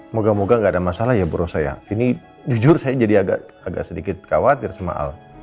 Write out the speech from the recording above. moga moga nggak ada masalah ya bu rosa ya ini jujur saya jadi agak sedikit khawatir sama al